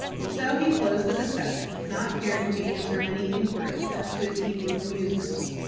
So he closed the discussion, not caring to answer many inquiries as to his evening's amusement.